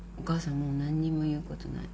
もう何にも言うことない。